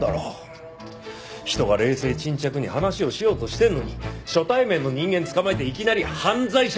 人が冷静沈着に話をしようとしてるのに初対面の人間つかまえていきなり犯罪者扱いとは！